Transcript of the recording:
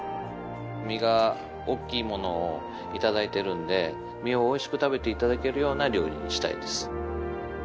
身が大きいものを頂いてるので身を美味しく食べて頂けるような料理にしたいです。